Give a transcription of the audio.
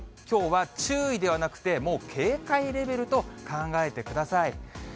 きょうは注意ではなくて、もう警戒レベルと考えてください。